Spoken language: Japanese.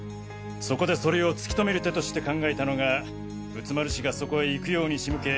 そこでそれを突き止める手として考えたのが仏丸氏がそこへ行くように仕向け